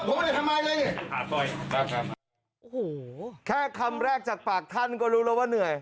โอ้โหแค่คำแรกจากปากท่านก็รู้แล้วว่าเหนื่อย